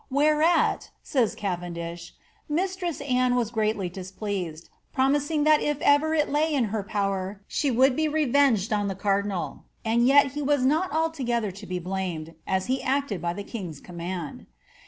^ Whereat," says Caven dish, ^ mistress Anne was greatly displeased, promising that if ever it lay in her power she would be revenged on the cardinal, and yet he was not altogether to be blamed, as he acted by the king's command."